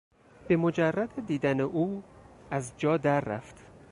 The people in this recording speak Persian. به مجرد دیدن او ازجا دررفت.